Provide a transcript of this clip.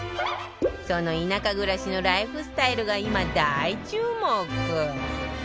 その田舎暮らしのライフスタイルが今大注目！